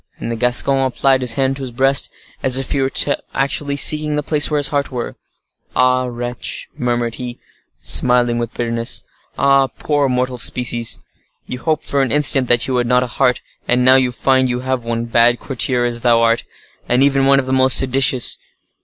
And the Gascon applied his hand to his breast, as if he were actually seeking the place where his heart was. "Ah! wretch!" murmured he, smiling with bitterness. "Ah! poor mortal species! You hoped, for an instant, that you had not a heart, and now you find you have one—bad courtier as thou art,—and even one of the most seditious.